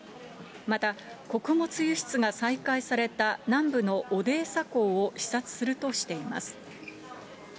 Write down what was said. また、穀物輸出が再開された南部のオデーサ港を視察するとしています。